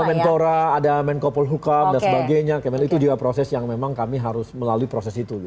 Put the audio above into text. kemenpora ada menko polhukam dan sebagainya kemenpora itu juga proses yang memang kami harus melalui proses itu